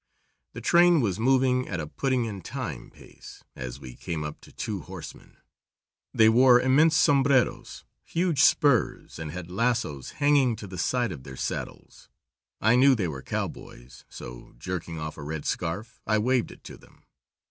The train was moving at a "putting in time" pace, as we came up to two horsemen. They wore immense sombreros, huge spurs, and had lassos hanging to the side of their saddles. I knew they were cowboys, so, jerking off a red scarf I waved it to them.